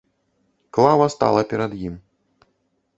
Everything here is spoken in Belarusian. Клава стала перад ім.